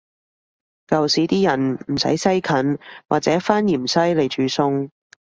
舊時啲人唔使西芹或者番芫茜來煮餸